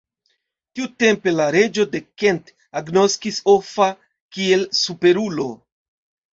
Tiutempe la reĝo de Kent agnoskis Offa kiel superulo.